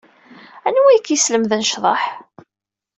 Anwa ay ak-yeslemden ccḍeḥ?